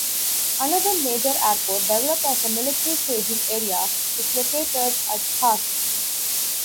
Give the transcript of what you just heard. Another major airport, developed as a military staging area, is located at Sarh.